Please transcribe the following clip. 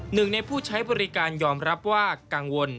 หนึ่งในผู้ใช้บริการยอมรับว่ากังวล